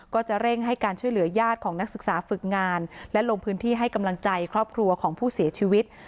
ก็จะเร่งให้การช่วยเหลือญาติของนักศึกษาฝึกงานและลงพื้นที่ให้กำลังใจครอบครัวของผู้เสียชีวิต